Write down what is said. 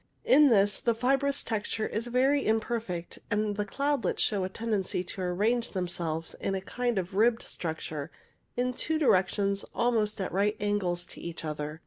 In this the fibrous texture is very imper fect, and the cloudlets show a tendency to arrange themselves in a kind of ribbed structure in two directions almost at right angles to each other.